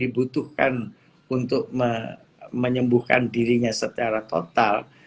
dibutuhkan untuk menyembuhkan dirinya secara total